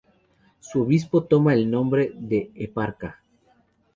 Su obispo toma el nombre de "eparca".